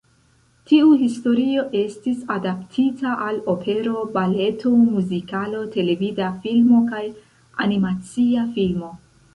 Tiu historio estis adaptita al opero, baleto, muzikalo, televida filmo kaj animacia filmo.